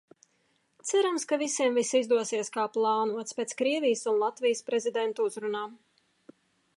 Cerams, ka visiem viss izdosies kā plānots pēc Krievijas un Latvijas prezidentu uzrunām.